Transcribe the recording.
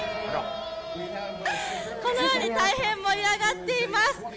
このように大変盛り上がっています！